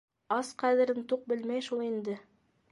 Ас ҡәҙерен туҡ белмәй шул инде.